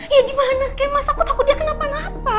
iya dimana kek mas aku takut dia kenapa napa